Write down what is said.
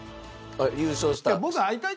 優勝したら？